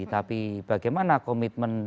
tapi bagaimana komitmen